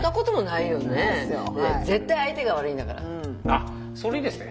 あっそれいいですね。